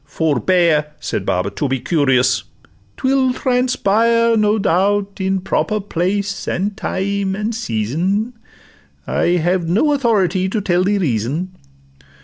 '—'Forbear,' Said Baba, 'to be curious; 'twill transpire, No doubt, in proper place, and time, and season: I have no authority to tell the reason.